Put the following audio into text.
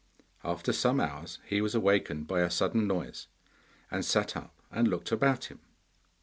After some hours, he was awakened by a sudden noise, and sat up and looked about him.